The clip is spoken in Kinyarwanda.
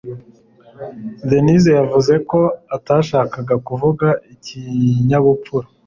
denis yavuze ko atashakaga kuvuga ikinyabupfura.